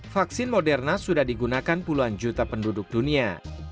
vaksin moderna sudah digunakan puluhan juta penduduk dunia